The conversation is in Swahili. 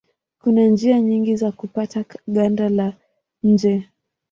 Kuna njia nyingi za kupata ganda la nje.